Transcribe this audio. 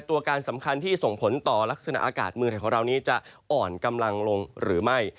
ตัวการสำคัญที่ส่งผลต่อลักษณะอากาศเมืองไทยของเรานี้จะอ่อนกำลังลงหรือไม่